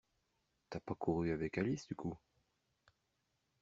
T'as pas couru avec Alice du coup?